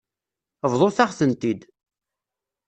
Bḍut-aɣ-tent-id.